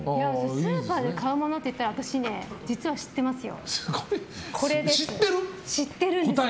スーパーで買うものといったら実は私、知ってますよ。